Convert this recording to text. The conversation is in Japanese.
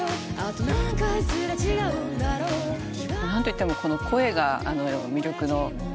何といっても声が魅力の。